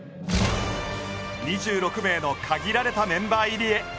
２６名の限られたメンバー入りへ。